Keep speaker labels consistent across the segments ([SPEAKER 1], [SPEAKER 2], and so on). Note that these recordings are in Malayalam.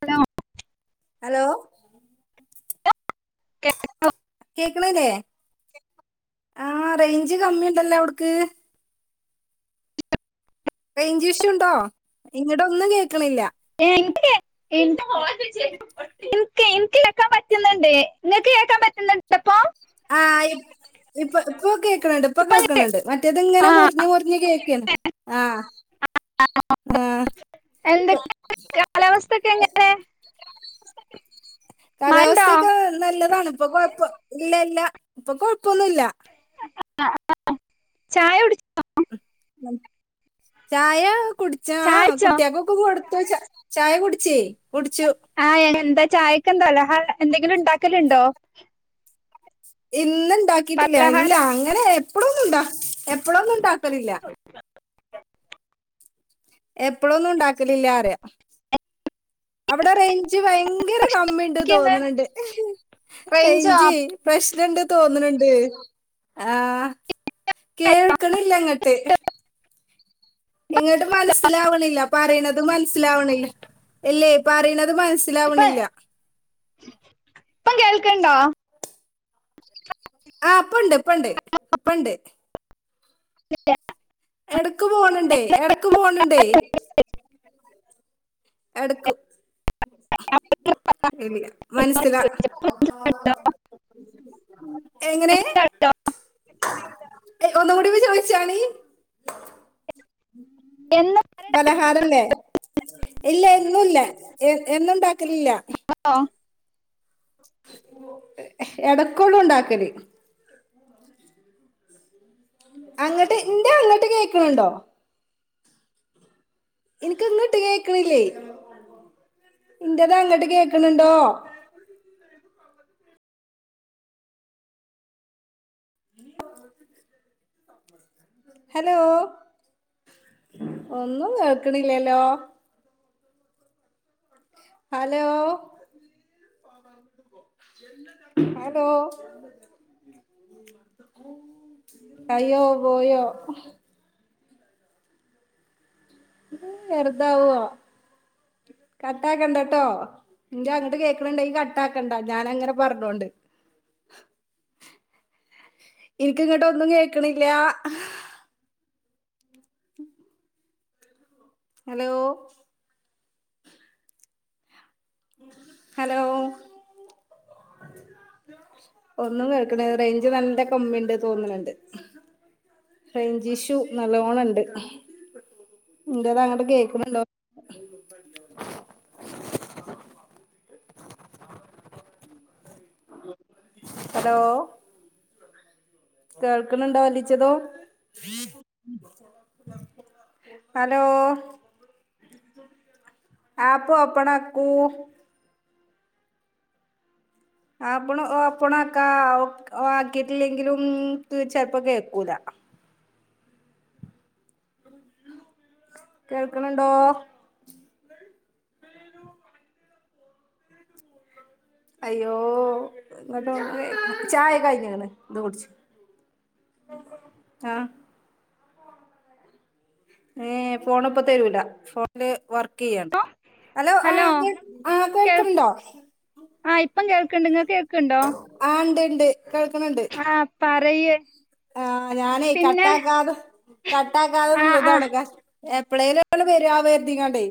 [SPEAKER 1] ഹലോ
[SPEAKER 2] ഹലോ
[SPEAKER 1] [unintelligible]
[SPEAKER 2] കേക്കണില്ലേ ആ റേഞ്ച് കമ്മിയുണ്ടല്ലോ അവിട്ക്ക് റേഞ്ച് ഇഷ്യു ഉണ്ടോ ഇങ്ങട് ഒന്നും കേക്ണില്ല.
[SPEAKER 1] എനിക്ക് [unintelligible] ഇൻക്ക് ഇൻക്ക് കേക്കാൻ പറ്റുന്നുണ്ട് ഇങ്ങക്ക് കേക്കാൻ പറ്റുന്നുണ്ടപ്പോ?
[SPEAKER 2] ആ ഇ ഇപ്പൊ ഇപ്പൊ കേക്ണണ്ട് ഇപ്പൊ കേൾക്കണണ്ട്. മറ്റേത്
[SPEAKER 1] ആ
[SPEAKER 2] ഇങ്ങനെ മുറിഞ്ഞ് മുറിഞ്ഞ് കേക്കേന്ന് ആഹ്
[SPEAKER 1] [unintelligible] [unintelligible] എന്തൊ
[SPEAKER 2] ഇപ്പൊ
[SPEAKER 1] [unintelligible] കാലാവസ്ഥ ഒക്കെ എങ്ങനെ മഴണ്ടോ
[SPEAKER 2] കാലാവസ്ഥയൊക്കെ നൽ നല്ലതാണ്. ഇപ്പൊ കൊഴപ്പൊ ഇല്ല ഇല്ല ഇപ്പൊ കൊഴപ്പൊന്നുവില്ല.
[SPEAKER 1] [unintelligible] ചായ കുടി [unintelligible]
[SPEAKER 2] ചായ കുടിച്ചാ
[SPEAKER 1] ചായ കുടിച്ചോ
[SPEAKER 2] കുട്ടികക്കൊക്കെ കൊടു ത്തു ചാ ചായ കുടിച്ചി
[SPEAKER 1] ആ എന്താ ചായക്ക് എന്താ പലഹാ എന്തെങ്കിലും ഉണ്ടാക്കലുണ്ടോ?
[SPEAKER 2] ഇന്ന് ഇണ്ടാക്കീട്ടില്ല ഇല്ല
[SPEAKER 1] പലഹാരം
[SPEAKER 2] അങ്ങനെ എപ്പളുമൊന്നും ഇണ്ടാ എപ്പളുവൊന്നും ഉണ്ടാക്കലില്ല. എപ്പളൊന്നും ഉണ്ടാക്കലില്ലാന്നു പറയാ. അവിടെ റേ ഞ്ച് ഭയങ്കര കമ്മിണ്ട്
[SPEAKER 1] ഉണ്ടാക്കിയെന്ന്
[SPEAKER 2] തോന്നണണ്ട്.
[SPEAKER 1] റേഞ്ചോ
[SPEAKER 2] റേഞ്ച് പ്രശ്നുണ്ട് തോന്നണ ണ്ട്. ആ കേൾക്കണില്ലങ്ങട്ട് ഇങ്ങോട്ട് മനസ്സിലാവണില്ല. പറയണത് മനസ്സിലാവണില്ല. ഇല്ലേ പറയണത്
[SPEAKER 1] ഇപ്പൊ
[SPEAKER 2] മനസ്സിലാവണില്ല.
[SPEAKER 1] ഇപ്പം കേൾക്കണുണ്ടോ?
[SPEAKER 2] ആ ഇപ്പണ്ട് ഇപ്പണ്ട് ഇപ്പണ്ട്. ഇടക്ക് പോണുണ്ടേ ഇടക്ക് പോണുണ്ടേ. എടക്കും [unintelligible] മനസ്സിലാ എങ്ങനെ? ഒന്നും കൂടിയൊന്ന് ചോയ് ച്ചാണീ
[SPEAKER 1] എന്നോ
[SPEAKER 2] പലഹാരല്ലേ. ഇല്ല എന്നും ഇല്ല എന്നും ഉണ്ടാക്കലില്ല. എടക്കൊള്ളൂ ഉണ്ടാക്കല്. അങ്ങട്ട് എന്റെ അങ്ങട്ട് കേക്കണുണ്ടോ? എനിക്കങ്ങോട്ട് കേക്കണില്ലേ? എന്റേത് അങ്ങോട്ട് കേക്കണുണ്ടോ? ഹലോ ഒന്നും കേൾക്കണില്ലല്ലോ? ഹലോ ഹലോ അയ്യോ പോയോ? വെറുതാവോ കട്ടാക്കണ്ടട്ടോ? എൻ്റെ അങ്ങട്ട് കേക്കണുണ്ടെങ്കി കട്ടാക്കണ്ടാ ഞാൻ അങ്ങനെ പറഞ്ഞോണ്ട്. എനിക്ക് ഇങ്ങട്ട് ഒന്നും കേക്കണില്ല. ഹലോ ഹലോ ഒന്നും കേൾക്കണില്ല റേഞ്ച് നല്ല കമ്മിണ്ട് തോന്നണണ്ട്. റേഞ്ച് ഇഷ്യൂ നല്ലോണം ഇണ്ട്. എൻ്റെത് അങ്ങട് കേക്കണുണ്ടോ? ഹലോ കേൾക്കണുണ്ടോ [unintelligible] ഹലോ ആപ്പ് ഓപ്പണാക്കൂ ആപ്പണ് ഓപ്പണാക്കാ ഓ ആക്കിട്ടില്ലെങ്കിലും ചെലപ്പം കേക്കൂലാ കേൾക്കണുണ്ടോ അയ്യോ ഇങ്ങോട്ട് നോക്കിക്കേ ചായ കഴിഞ്ഞേക്കണ് ഇത് കുടിച്ചോ ആ ഏ ഫോൺപ്പോ തരുല ഫോണില് വർ കെയ്യാണ് ഹലോ ഓ ആക്കെ ആ കേക്ക്‌ണ്ടോ
[SPEAKER 1] ആഹ് ഇപ്പം കേൾക്ക്‌ണ്ട് ഇങ്ങക്ക്‌ കേക്ക്‌ണ്ടോ
[SPEAKER 2] ണ്ട് കേക്ക്‌ണ് ണ്ട്
[SPEAKER 1] [unintelligible]
[SPEAKER 2] ആ ഞാനേ
[SPEAKER 1] പിന്നെ
[SPEAKER 2] കട്ടാക്കാതു കട്ടാക്കാ [unintelligible]
[SPEAKER 1] ആഹ്
[SPEAKER 2] നിക്കാണ്
[SPEAKER 1] ആഹ്
[SPEAKER 2] ക- എപ്പളേലൊന്ന് വരാ വര്തികാണ്ട്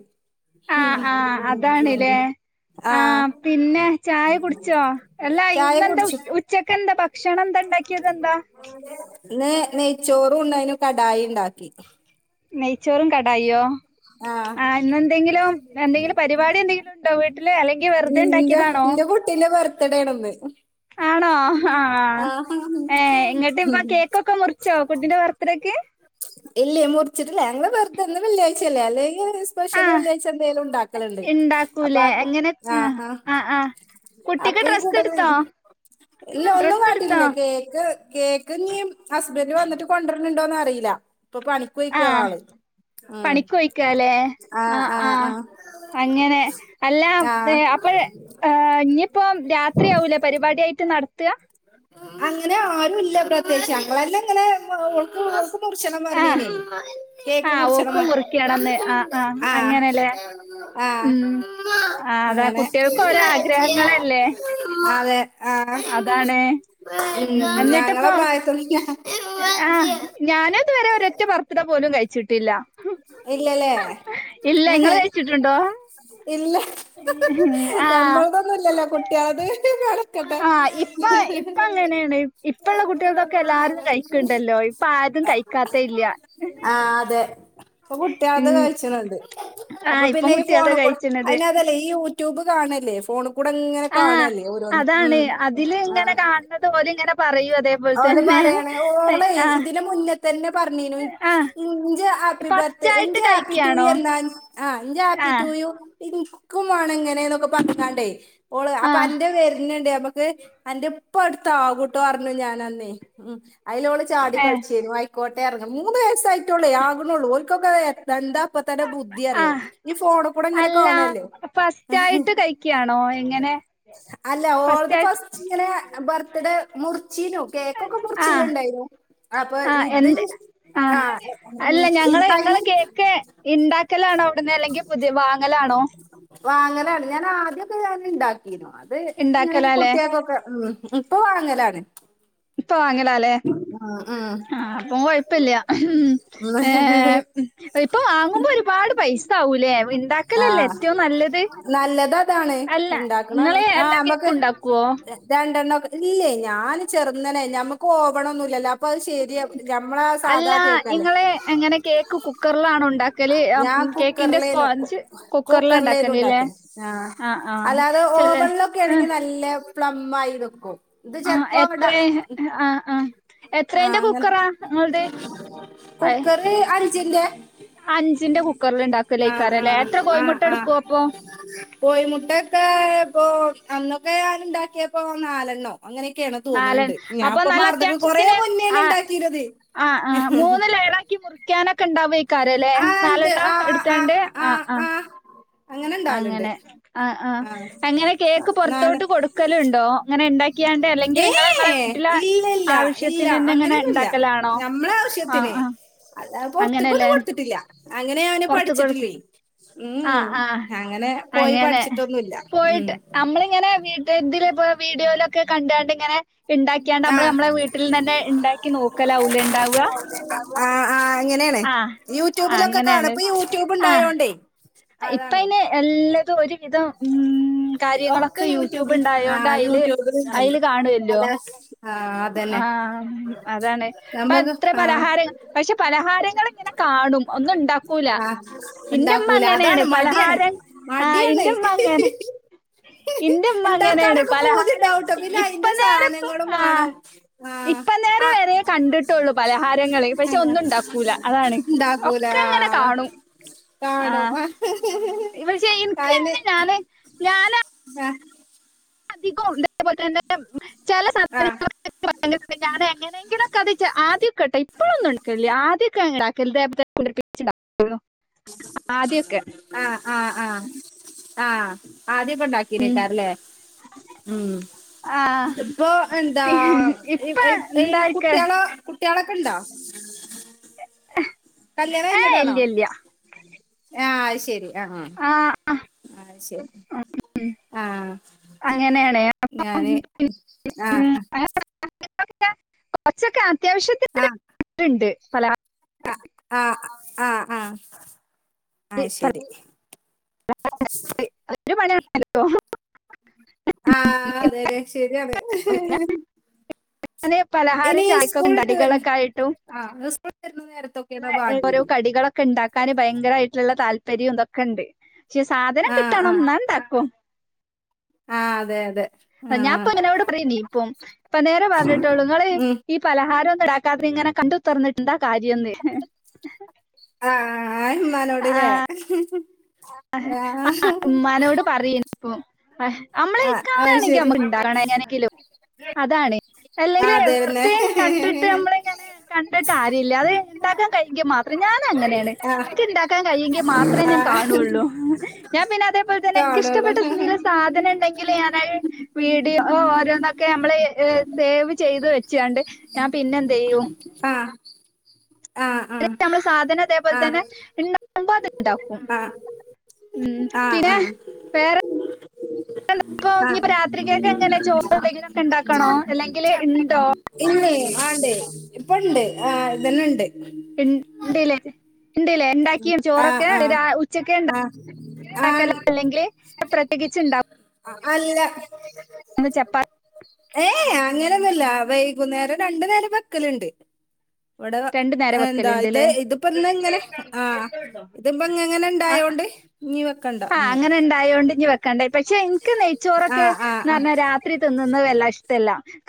[SPEAKER 1] ആ പിന്നെ ചായ കുടിച്ചോ എല്ലാ
[SPEAKER 2] ചായ
[SPEAKER 1] ഇന്നെന്താ
[SPEAKER 2] കുടിച്ചു
[SPEAKER 1] ഉച്ചക്കെന്താ ഭക്ഷണന്താ? ണ്ടാക്യതെന്താ?
[SPEAKER 2] ഇന്ന് നെയ്ച്ചോറും ഉണ്ടായ്‌നും കടായിണ്ടാക്കി.
[SPEAKER 1] നെയ്ച്ചോറും കടായൊ ആ ഇന്നെന്തെങ്കിലും എന്തെങ്കിലും പരിപാടി എന്തെങ്കിലും ഉണ്ടോ? വീട്ടില് അല്ലെങ്കിൽ വെർതെണ്ടാക്കിയതാണോ?
[SPEAKER 2] തടയണന്ന്
[SPEAKER 1] ആണോ ഹാ ആ
[SPEAKER 2] ആ
[SPEAKER 1] ഏ ഏങ്ങ ന്നട്ടപ്പോ കേക്കൊക്കെ മുറിച്ചോ കുട്ടിന്റെ ബർത്ത്ഡേക്ക്?
[SPEAKER 2] ഇല്ല മുറിച്ചിട്ടില്ല ഞങ്ങള് വെറ്തെന്ന് വെള്ളാഴ്ചല്ലെ അല്ലേ ലേലും സ്പെഷ്യല്
[SPEAKER 1] ആഹ്
[SPEAKER 2] വെള്ളിയാഴ്ചന്തേലും ണ്ടാക്കൽണ്ട് അപ്പൊ
[SPEAKER 1] ഇണ്ടാക്കൂലേ
[SPEAKER 2] ആകു
[SPEAKER 1] എങ്ങനെ
[SPEAKER 2] ആ
[SPEAKER 1] ആഹ്
[SPEAKER 2] ആ
[SPEAKER 1] ആഹ് ആഹ് കുട്ടിക്ക്
[SPEAKER 2] അപ്പൊ ഈ
[SPEAKER 1] ഡ്രസ്സ്
[SPEAKER 2] കൂട്ട
[SPEAKER 1] എടുത്തോ
[SPEAKER 2] [unintelligible] ഇല്ല ഒന്നും
[SPEAKER 1] ഡ്രസ്സ് എടുത്തോ
[SPEAKER 2] കാട്ടില്ല കേക്ക് കേക്ക്‌ [unintelligible] ഹസ്ബൻഡ് വന്നിട്ട് കൊണ്ടൊര്ണണ്ടോന്ന് അറീല ഇപ്പൊ പണിക്കൊയ്ക്കാ ആള്. ഉം
[SPEAKER 1] പണിക്കൊയ് ക്കാല്ലേ ആ ആ അങ്ങനെ അല്ല പേ
[SPEAKER 2] ആ
[SPEAKER 1] അപ്പഴ് ഏ ഇഞ്ഞിപ്പോ രാത്രിയാവൂലേ പരിപാട്യയിട്ട് നടത്തുക.
[SPEAKER 2] അങ്ങനെ ആരുല്ല പ്രത്യേച്ച് ഞങ്ങളെന്നെ ഇങ്ങനെ [inaudible] പ്പം മുർച്ചണം
[SPEAKER 1] ആഹ്
[SPEAKER 2] ന്നർഞ്ഞീനി കേക്ക്
[SPEAKER 1] ആഹ് ഓക്കും
[SPEAKER 2] മുറിച്ചണംന്ന്
[SPEAKER 1] മുറിക്കണംന്ന് ആഹ് ആഹ്
[SPEAKER 2] ആ.
[SPEAKER 1] അങ്ങനെല്ലേ
[SPEAKER 2] ആ [inaudible]
[SPEAKER 1] ഉം
[SPEAKER 2] ആ
[SPEAKER 1] ആഹ് അതാ
[SPEAKER 2] അങ്ങനെ
[SPEAKER 1] കുട്ടികൾക്ക് ഓരോ ആഗ്രഹങ്ങളല്ലേ
[SPEAKER 2] അതെ.
[SPEAKER 1] അതാണ്. ഉം
[SPEAKER 2] മ് ഞങ്ങളെ
[SPEAKER 1] എന്നിട്ടിപ്പോ
[SPEAKER 2] പ്രായത്ത [inaudible]
[SPEAKER 1] ആഹ് ഞാനും ഇതുവരെ ഒരറ്റ ബർത്തഡേ പോലും കഴിച്ചിട്ടില്ല.
[SPEAKER 2] ഇല്ലല്ലേ
[SPEAKER 1] ഇല്ല ഇങ്ങൾ
[SPEAKER 2] ഞ-
[SPEAKER 1] കഴിച്ചിട്ടുണ്ടോ?
[SPEAKER 2] ഇല്ല.
[SPEAKER 1] ആഹ്
[SPEAKER 2] ഞമ്മളതൊന്നുല്ലല്ലോ കുട്ട്യാള്ത് [inaudible] [inaudible]
[SPEAKER 1] ആഹ് ഇപ്പ ഇപ്പ അങ്ങനെയാണ് ഇപ്പള്ള കുട്ടികൾതൊക്കെ എല്ലാരും കഴിക്കണ്ടല്ലോ ഇപ്പ ആരും കഴിക്കാത്ത ഇല്ല
[SPEAKER 2] ആ അതെ. ഇപ്പൊ കുട്ട്യാള്ത്
[SPEAKER 1] ഉം
[SPEAKER 2] കഴിച്ച്ണ് ണ്ട് അപ്പൊ
[SPEAKER 1] ആഹ് ഇപ്പം
[SPEAKER 2] പിന്നെ ഈ
[SPEAKER 1] കുട്ടികളത്
[SPEAKER 2] ഫോണ്ക്കൂടെ
[SPEAKER 1] കഴിച്ചണത്
[SPEAKER 2] അയ്ന അതല്ലേ ഈ ട്യുബ് കാണല്ലേ ഫോൺ കൂടങ്ങനെ
[SPEAKER 1] ആഹ്
[SPEAKER 2] കാണല്ലേ ഓരോന്ന് മ്
[SPEAKER 1] അതാണ് അതില് ഇങ്ങനെ കാണുന്നത് ഓല് ഇങ്ങനെ പറയും അതേപോലെ
[SPEAKER 2] ഓൽപ്പാ [unintelligible]
[SPEAKER 1] തന്നെ
[SPEAKER 2] യിണ് ഓളെ
[SPEAKER 1] ആഹ്
[SPEAKER 2] ഇതിന് മുന്നേത്തന്നെ പറഞ്ഞിനു
[SPEAKER 1] ആഹ്
[SPEAKER 2] ഇൻജെ ആപ്പി ബർ
[SPEAKER 1] ഫസ്റ്റ് ആയിട്ട്
[SPEAKER 2] ഞ്ചേ ഹാപ്പി ടു
[SPEAKER 1] കഴിക്കാണോ
[SPEAKER 2] യെന്ന ആ ഇന്റെ ഹാപ്പി ടു
[SPEAKER 1] ആഹ്
[SPEAKER 2] യു. ഇന്ക്കും വാണങ്ങനോക്കെ പറഞ്ഞക്കാണ്ട് ഓള് അപ്പൊ
[SPEAKER 1] ആഹ്
[SPEAKER 2] അന്റെ വേര്ണ് ണ്ട് നമക്ക് ആന്റെ ഇപ്പടുത്താവുട്ടോറഞ്ഞു ഞാന്നന്ന്. അയ്ലോള് ചാടി
[SPEAKER 1] ഏഹ്
[SPEAKER 2] കള്ചേനു അയിക്കോട്ടെറ മൂന്ന് വയസ്സായിട്ടൊള്ളേ ആക്ണള്ളൂ ഒ [unintelligible] ക്കെ എന്താപ്പോ തന്നെ ബുദ്ധി അറിയോ
[SPEAKER 1] ആഹ്
[SPEAKER 2] ഈ ഫോണ്കൂടെങ്ങനെ കാണല്ലോ ആഹ്
[SPEAKER 1] ക്യാണോ എങ്ങനെ?
[SPEAKER 2] അല്ല ഓളത് ഫസ്റ്റ് ഇങ്ങനെ ബർത്ത്ഡേ മുറിച്ചീനു കേക്കൊക്കെ മുറിച്ചിനുണ്ടായിനു
[SPEAKER 1] ആ എന്ത് ആ അല്ല
[SPEAKER 2] ഉം, ഈ
[SPEAKER 1] ഞങ്ങള
[SPEAKER 2] തൈ
[SPEAKER 1] നിങ്ങൾ കേക്ക് ഇണ്ടാക്കലാണോ അവിടന്ന് അല്ലെങ്കിൽ പുതിയ വാങ്ങലാണോ
[SPEAKER 2] വാങ്ങലാണ് ഞാൻ ആദ്യ ഒക്കെ ഞാൻ ഇണ്ടാക്കിനു അത് ഇങ്ങനെ
[SPEAKER 1] ഇണ്ടാക്കലാല്ലേ
[SPEAKER 2] കുട്ടികൾക്കൊക്കെ ഉം ഇപ്പ വാങ്ങലാണ്
[SPEAKER 1] ഇപ്പ വാങ്ങലാല്ലേ
[SPEAKER 2] ഉം ഉം.
[SPEAKER 1] ആ അപ്പൊ കൊഴപ്പില്ല ഏ ഇപ്പൊ വാങ്ങുമ്പോ ഒരുപാട് പൈസ ആകൂലേ
[SPEAKER 2] ആ
[SPEAKER 1] ഇണ്ടാക്കലല്ലേ ഏറ്റവും നല്ലത് അല്ല
[SPEAKER 2] ഉണ്ടാക്കണം
[SPEAKER 1] ഇങ്ങള്
[SPEAKER 2] ആഹ
[SPEAKER 1] എല്ലാ
[SPEAKER 2] നമ്മുക്ക്
[SPEAKER 1] കേക്കും ഉണ്ടാക്കുവോ
[SPEAKER 2] രണ്ടെണ്ണം ഇല്ലേ ഞാൻ ചെറുന്നനെ ഞമ്മക്ക് ഓവണൊന്നുലല്ലോ അപ്പോ അത് ശരിയാ ഞമ്മളെ
[SPEAKER 1] അല്ല
[SPEAKER 2] സാധാ കേക്കല്ലേ
[SPEAKER 1] ഇങ്ങള് എങ്ങനെ കേക്ക് കുക്കറിലാണോ ഉണ്ടാക്കല്
[SPEAKER 2] ഞ ഞാൻ
[SPEAKER 1] കേക്കിന്റെ
[SPEAKER 2] കുക്കറിലെനു
[SPEAKER 1] സ്പോഞ്ച് കുക്കറിലാ
[SPEAKER 2] കുക്കറിലെനു
[SPEAKER 1] ഇണ്ടാക്കല് ല്ലേ
[SPEAKER 2] ഇണ്ടാക്കിയത് ആ
[SPEAKER 1] ആഹ് ആഹ്
[SPEAKER 2] അല്ലാതെ
[SPEAKER 1] ചെല
[SPEAKER 2] ഓവണിലൊക്കെ
[SPEAKER 1] ആഹ്
[SPEAKER 2] ക്കെയാണെങ്കിൽ നല്ല പ്ലം ആയി നിക്കും ഇത്
[SPEAKER 1] ആഹ്
[SPEAKER 2] ചെലപ്പോങ്ങട്
[SPEAKER 1] എത്രേ ആഹ് ആഹ്
[SPEAKER 2] ആ
[SPEAKER 1] എത്രേന്റെ
[SPEAKER 2] അങ്ങനെ
[SPEAKER 1] കുക്കറാ ഇങ്ങളത് അയ്
[SPEAKER 2] കുക്കർ അഞ്ചിന്റെ
[SPEAKER 1] അഞ്ചിന്റെ കുക്കറിൽ
[SPEAKER 2] ആഹ്
[SPEAKER 1] ഇണ്ടാക്കലയികരം പ എത്ര കോഴിമുട്ട എടുക്കു പ്പ
[SPEAKER 2] കോയി മുട്ടെക്ക ഇപ്പോ അന്നൊക്കെ ഞാൻ ഇണ്ടാക്കിയപ്പോ നാലെണ്ണോ അങ്ങനെയൊക്കെയാണ് തോന്നണണ്ട് ഞാ
[SPEAKER 1] നല്ലത്യാവശ്യതിന് ആ ആ മൂന്ന് ലയർ ആക്കി മുറികാനൊക്കെ ഇണ്ടാവോയി കരല്ലേ
[SPEAKER 2] ആഹ് ഇണ്ട്
[SPEAKER 1] നാലെണ്ണം
[SPEAKER 2] ആഹ് ആഹ്
[SPEAKER 1] എടുത്തണ്ട്
[SPEAKER 2] ആഹ്
[SPEAKER 1] ആ
[SPEAKER 2] ആഹ്
[SPEAKER 1] ആ
[SPEAKER 2] ആഹ്
[SPEAKER 1] അങ്ങനെ ആ ആ
[SPEAKER 2] ആഹ്
[SPEAKER 1] അങ്ങനെ കേക്ക് പുറത്തോട്ട്
[SPEAKER 2] നാല്
[SPEAKER 1] കൊടുക്കലുണ്ടോ അങ്ങനെ ഇണ്ടാക്കിയ അല്ലെങ്കിൽ
[SPEAKER 2] ഏ
[SPEAKER 1] നിങ്ങളെ നിങ്ങളെ വീട്ടില്
[SPEAKER 2] ഇല്ല ഇല്ല ഇല്ല
[SPEAKER 1] ആവശ്യത്തിന് തന്നെ ഇങ്ങനെ
[SPEAKER 2] അങ്ങനെയൊന്നുമില്ല
[SPEAKER 1] ഇണ്ടാക്കലാണോ ആ ആ
[SPEAKER 2] അത പുറത്തക്കൊന്നന്നും കൊടുത്തിട്ടി അങ്ങനെ ഞാനും പഠിച്ചിട്ടില്ലേ
[SPEAKER 1] ആ
[SPEAKER 2] ഉം
[SPEAKER 1] ആ
[SPEAKER 2] അങ്ങനെ പോയി
[SPEAKER 1] അങ്ങനെ
[SPEAKER 2] പഠിച്ചിട്ടൊന്നുമില്ല ഉം
[SPEAKER 1] പോയിട്ട് നമ്മളിങ്ങനെ വീട്ട തില് വീഡിയോയിലൊക്കെ കണ്ടണ്ട് ഇങ്ങനെ ഇണ്ടാക്കിയാണ്ട്
[SPEAKER 2] ആ
[SPEAKER 1] നമ്മള് നമ്മളെ വീട്ടിൽ തന്നെ ഇണ്ടാക്കി നോക്കലാവൂലെ ഇണ്ടാവ
[SPEAKER 2] ആ ആഹ് അങ്ങനെയാണ്
[SPEAKER 1] ആഹ്
[SPEAKER 2] യൂട്യൂബിലൊക്കെ കാണും
[SPEAKER 1] അങ്ങനെയാണ്
[SPEAKER 2] ഇപ്പൊ യൂട്യൂബ്
[SPEAKER 1] ആഹ്
[SPEAKER 2] ഉണ്ടായോണ്ടേ
[SPEAKER 1] ഇപ്പ
[SPEAKER 2] അതാണ്
[SPEAKER 1] അയിന് എല്ലാതും ഒരു വിധം ഉം ഉം
[SPEAKER 2] ഒക്കെ
[SPEAKER 1] കാര്യങ്ങളൊക്കെ യൂട്യൂബ്
[SPEAKER 2] യൂട്യൂബിൽ ആ
[SPEAKER 1] ഉണ്ടായോണ്ട് അയില്
[SPEAKER 2] യൂട്യൂബിൽ ഉണ്ടല്ലോ
[SPEAKER 1] അയില് കാണുവല്ലോ
[SPEAKER 2] അല്ല ആ അതന്നെ
[SPEAKER 1] ആഹ് അതാണ് ഇപ്പ
[SPEAKER 2] നമ്മക്ക്
[SPEAKER 1] അത്ര
[SPEAKER 2] ആ
[SPEAKER 1] പലഹാരങ്ങ പക്ഷെ പലഹാരങ്ങൾ ഇങ്ങനെ കാണു കാണും ഒന്നും ഇണ്ടാക്കൂല
[SPEAKER 2] ആഹ്
[SPEAKER 1] എന്റെമ്മ
[SPEAKER 2] ഇണ്ടാക്കൂല
[SPEAKER 1] അങ്ങനെയാണ്
[SPEAKER 2] അതാണ് മടിയാണ്
[SPEAKER 1] പലഹാരം ആ
[SPEAKER 2] മടിയാണ്
[SPEAKER 1] ഇന്റെമ്മ അങ്ങനെ ഇന്റെമ്മ അങ്ങനെയാണ്
[SPEAKER 2] ഇണ്ടാക്കാനൊക്കെ
[SPEAKER 1] പലഹാരം
[SPEAKER 2] പൂതിണ്ടാവുട്ടോ പിന്നെ
[SPEAKER 1] ഇപ്പൊ
[SPEAKER 2] അയിന്റെ
[SPEAKER 1] നേര ഇപ്പോ
[SPEAKER 2] സാനങ്ങളും
[SPEAKER 1] ആ
[SPEAKER 2] വാണം ആഹ്
[SPEAKER 1] ഇപ്പ നേര
[SPEAKER 2] ആഹ്
[SPEAKER 1] വരേ കണ്ടിട്ടുള്ളു പലഹാരങ്ങള് പക്ഷെ ഒന്നും ഇണ്ടാക്കൂല അതാണ്
[SPEAKER 2] ഇണ്ടാക്കൂല
[SPEAKER 1] ഒക്കെ ഇങ്ങനെ
[SPEAKER 2] ആഹ്
[SPEAKER 1] കാണൂ ആ
[SPEAKER 2] കാണും
[SPEAKER 1] ഇവൾ എനിക്ക് അങ്ങനെ ഞാന് ഞാന്
[SPEAKER 2] ആ
[SPEAKER 1] അധികോം ഇതേപോലെ തന്നെ ചെല സാധനതിന്
[SPEAKER 2] ആഹ്
[SPEAKER 1] [unintelligible] എങ്ങനെങ്കിലൊക്കെ അതിച്ച ആദ്യംക്കെട്ടൊ ഇപ്പോഴൊന്നും എട് ക്കലില്ല ആദ്യക്കെ ഞാൻ ഇണ്ടാക്കലുണ്ട് [unintelligible] ആ ആദ്യൊക്കെ
[SPEAKER 2] ആ ആ ആദ്യക്കെ ഇണ്ടാക്കിനേക്കാറല്ലേ ഉം
[SPEAKER 1] ആ
[SPEAKER 2] ഇപ്പൊ എന്താ
[SPEAKER 1] പിന്നെ
[SPEAKER 2] ഈ
[SPEAKER 1] ഇപ്പൊ
[SPEAKER 2] ഇ
[SPEAKER 1] എന്തായിരിക്ക
[SPEAKER 2] കുട്ടികള കുട്ടികള് കണ്ടോ കല്യാണം
[SPEAKER 1] ഏ,
[SPEAKER 2] കഴിഞ്ഞതാണോ
[SPEAKER 1] ഇല്ല ഇല്ല
[SPEAKER 2] ആഹ് ശരി ആ ആഹ് ശരി ആ
[SPEAKER 1] അങ്ങനെയാണ് അപ്പൊ
[SPEAKER 2] ഞാന് ആ
[SPEAKER 1] [unintelligible] കൊറച്ചൊക്കെ
[SPEAKER 2] ആഹ്
[SPEAKER 1] അത്യാവശ്യത്തിനിണ്ട് പല
[SPEAKER 2] ആ ആ അഹ് ശരി
[SPEAKER 1] ഹലോ
[SPEAKER 2] ആ അതെതെ ശരിയാണ്
[SPEAKER 1] അങ്ങനെ പലഹാര
[SPEAKER 2] ഇനി സ്കൂളിട്ട് വരുന്ന
[SPEAKER 1] ചായക്കണ്ടടികളൊക്കെ ആയിട്ടും
[SPEAKER 2] ആഹ് സ്കൂളിട്ട് വരുന്ന നേരത്തൊക്കെയാണ്
[SPEAKER 1] ഓരോ
[SPEAKER 2] വാണ്ടിയത്
[SPEAKER 1] കടികളൊക്കെ ഇണ്ടാക്കാന് ഭയങ്കരമായിട്ടുള്ള താല്പര്യം ഇതൊക്കെ ഉണ്ട് ചെ സാധനം കിട്ടണം എന്ന ഇണ്ടാക്കും
[SPEAKER 2] ആ അതെ അതെ ആഹ്
[SPEAKER 1] ഞാൻപ്പ ഇങ്ങനെ അവിടെ പറയുന്നീ ഇപ്പം ഇപ്പ നേരെ പറഞ്ഞിട്ടൊളു ങ്ങള്
[SPEAKER 2] ഉം
[SPEAKER 1] ഈ പലഹാരം ഇടാക്കാതെ ഇങ്ങനെ കണ്ടു തുറന്നിട്ടുണ്ടാ കാര്യംന്ന
[SPEAKER 2] ആ ഉമ്മ നോടല്ലേ
[SPEAKER 1] ആ ആ ഉമ്മാനോട് പറയനിപ്പോ ആ നമ്മള
[SPEAKER 2] ആഹ്
[SPEAKER 1] ഇക്കാവ
[SPEAKER 2] അത്
[SPEAKER 1] ആണെങ്കി
[SPEAKER 2] ശരി
[SPEAKER 1] നമ്മക്ക്ണ്ടറാണ് [unintelligible] അതാണ് അല്ലെങ്കേ
[SPEAKER 2] ആഹ് അതെന്നെ
[SPEAKER 1] വെറുതെയയും കണ്ടിട്ട് നമ്മള ഇങ്ങനെ കണ്ടിട്ട് കാര്യമില്ല അത് ഉണ്ടാക്കാൻ കഴിഞ്ഞ മാത്രം. ഞാൻ ഞാൻ അങ്ങനെയാണ്,
[SPEAKER 2] ആഹ്
[SPEAKER 1] ഇത് ഇണ്ടാക്കാൻ കഴിയെങ്കിൽ മാത്രമേ ഞാൻ കാ
[SPEAKER 2] ആഹ്
[SPEAKER 1] നോള്ളൂ. ഞാൻ പിന്നെ അതേപോലെ തന്നെ എന്ക്ക്
[SPEAKER 2] കാണുള്ളൂ
[SPEAKER 1] ഇഷ്ടപ്പെട്ട ങ്കില സാധനം ഉണ്ടെങ്കിൽ ഞാന വീട് ഓരോന്നൊക്കെ നമ്മളെ സേവ് ചെയ്ത് വെച്ചണ്ട്. ഞാൻ പിന്നെ എന്ത് ചെയ്യും,
[SPEAKER 2] ആഹ് ആഹ് ആഹ്
[SPEAKER 1] നമ്മള് സാധനം അതേപോലെ തന്നെ
[SPEAKER 2] ആഹ്
[SPEAKER 1] ഉണ്ടാവുമ്പോ അത് ഇണ്ടാക്കും
[SPEAKER 2] ആഹ്
[SPEAKER 1] ഉം
[SPEAKER 2] ആഹ്
[SPEAKER 1] പിന്നെ
[SPEAKER 2] ആഹ്
[SPEAKER 1] വേറെ
[SPEAKER 2] ആഹ്
[SPEAKER 1] രാത്രിക്കൊക്കെ എങ്ങനെ ചോറ് എന്തെങ്കിലുംക്കെ ഉണ്ടാക്കണോ അല്ലെങ്കിൽ
[SPEAKER 2] ഇന്ന ആണ്ടേ ഇപ്പ ഉണ്ട് ആ് ഇതന്നെ ഉണ്ട്
[SPEAKER 1] ഇണ്ട്ല്ലേ ഇണ്ടല്ലേ ഉണ്ടാക്കിയും
[SPEAKER 2] ആഹ്
[SPEAKER 1] ചോറൊക്കെ
[SPEAKER 2] ആഹ്
[SPEAKER 1] ഉച്ചക്കണ്ട ഉണ്ടക്കും
[SPEAKER 2] ആഹ്
[SPEAKER 1] അല്ലെങ്കിൽ പ്രത്യേകിച്ച് ഉണ്ടാവും
[SPEAKER 2] ആ അല്ല
[SPEAKER 1] ചപ്പാത്തി
[SPEAKER 2] ഏ അങ്ങനെ ഒന്നല്ല വൈകുന്നേരം രണ്ടു നേരം വക്കലുണ്ട് ഇവിടെ
[SPEAKER 1] രണ്ടു നേരം
[SPEAKER 2] എന്താ ഇത്
[SPEAKER 1] വെക്കലുണ്ട്ല്ലേ
[SPEAKER 2] ഇതിപ്പ ന്ന് ഇങ്ങനെ ആഹ് ഇത്പ എങ്ങനെ ഇണ്ടായോണ്ട് നീ
[SPEAKER 1] ആഹ് അങ്ങനെ ഉണ്ടായോണ്ടി വെക്കണ്ടായി, പക്ഷെ എനിക്ക് നെയ്ച്ചോറൊക്കെ
[SPEAKER 2] ആഹ് ആഹ്
[SPEAKER 1] എന്ന്
[SPEAKER 2] ആഹ്
[SPEAKER 1] പറഞ്ഞാ രാത്രി തിന്നന്ന് വല്ല ഇഷ്ട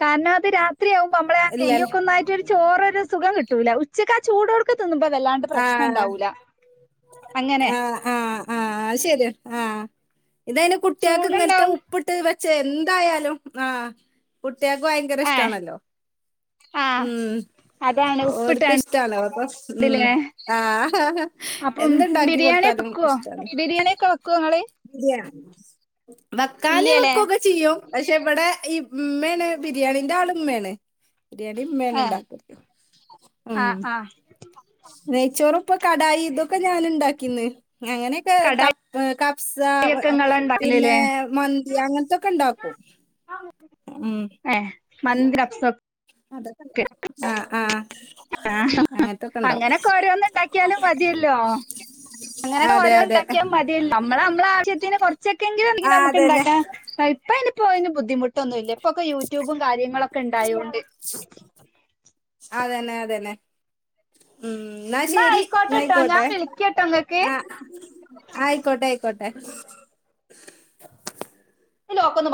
[SPEAKER 1] കാരണം അത് രാത്രിയാവുമ്പോൾ നമ്മളെ
[SPEAKER 2] ഇല്ലല്ലേ
[SPEAKER 1] നെയ്യൊക്ക ഒന്നായിട്ട് ഒരു ചോറ ഒരു സുഖം കിട്ടൂല ചാ ചൂഓടുക്ക ന്നുമ്പ വല്ലാണ്ട്
[SPEAKER 2] ആഹ്
[SPEAKER 1] പ്രശ്നുണ്ടാവൂല. അങ്ങനെ
[SPEAKER 2] ആഹ് ആഹ് ഇതനി കുട്ടികൾക്ക് ഇങ്ങനത്തെ
[SPEAKER 1] ചൂടുണ്ടാവും
[SPEAKER 2] ഉപ്പിട്ട് വെച്ച എന്തായാലും ആ കുട്ട്യോൾക് ഭയങ്കര
[SPEAKER 1] ഏ
[SPEAKER 2] ഇഷ്ടമാണല്ലോ.
[SPEAKER 1] ആ
[SPEAKER 2] ഉം
[SPEAKER 1] അതാണ്
[SPEAKER 2] ഓർക്ക്
[SPEAKER 1] ഉപ്പിട്ടാണ്ട്ല്ലേ
[SPEAKER 2] ഇഷ്ടണോ അപ്പൊ ഉം ആഹ
[SPEAKER 1] അപ്പം
[SPEAKER 2] എന്തുണ്ടാക്കി
[SPEAKER 1] ബിരിയാണിയൊക്കെ
[SPEAKER 2] കൊടുത്താലും
[SPEAKER 1] വെക്കുവോ
[SPEAKER 2] ഇഷ്ടന്ന്.
[SPEAKER 1] ബിരിയാണിയൊക്കെ വെക്കുവോ ഇങ്ങള്
[SPEAKER 2] ഇയ വെക്കാനേ
[SPEAKER 1] ഇല്ല്യല്ലേ
[SPEAKER 2] വെക്കുവൊക്കെ ചെയ്യും. പക്ഷെ ഇവിടെ ഇമ്മെണ്. ബിരിയാണിന്റെ ആളും ഇമ്മേണ്. ബിരിയാണി ഉമ്മെന്ന ‌
[SPEAKER 1] ഏ
[SPEAKER 2] ഇണ്ടാക്കും.
[SPEAKER 1] ആ ആ
[SPEAKER 2] നെയ്ച്ചോറും ഇപ്പൊ കടായി ഇതൊക്കെ ഞൻ ഉണ്ടാക്കിന്ന് അങ്ങനെയൊക്കെ ക ക പ്സ
[SPEAKER 1] കടായിയൊക്കെ ഇങ്ങളാ
[SPEAKER 2] പിന്നെ
[SPEAKER 1] ഇണ്ടാക്കല്ല്ലേ
[SPEAKER 2] മന്തി അങ്ങനത്തൊക്കെ ഇണ്ടാക്കും ഉം
[SPEAKER 1] മന്ദ അപ്പ്സപ്പ
[SPEAKER 2] അതൊക്കെ ആഹ ആഹ അങ്ങനത്തൊക്കെ ഉണ്ടാക്കും.
[SPEAKER 1] ണ്ടാക്കിയാലും മതിയല്ലോ അങ്ങനെയൊക്കെ
[SPEAKER 2] അതെ
[SPEAKER 1] ഓരോ
[SPEAKER 2] അതെ
[SPEAKER 1] ഉണ്ടാക്കിയാ മതിയല്ല, നമ്മ നമ്മള ആവശ്യത്തിന് കൊറച്ചൊക്കെങ്കിലും എന്തെങ്കെ
[SPEAKER 2] ആഹ്
[SPEAKER 1] നമുക്ക്
[SPEAKER 2] അതന്നെ
[SPEAKER 1] ഉണ്ടാക്കാം ഇപ്പ ഇനിപ്പോ അതിന് ബുദ്ധിമുട്ടൊന്നും ഇല്ല. ഇപ്പൊക്കെ യൂട്യൂബും കാര്യങ്ങളൊക്കെ ഉണ്ടായോണ്ട്
[SPEAKER 2] അതന്നെ അതന്നെ ഉം എന്നാ
[SPEAKER 1] ന്നാ
[SPEAKER 2] ശെരി
[SPEAKER 1] ആയിക്കോട്ടെട്ടോ ഞാൻ
[SPEAKER 2] നയിക്കോട്ടെ.
[SPEAKER 1] വിളിക്കട്ടോ ഇങ്ങക്ക്
[SPEAKER 2] ആഹ ആയിക്കോട്ടെ ആയിക്കോട്ടെ
[SPEAKER 1] ഇ ലോക്കൊ ഒന്ന്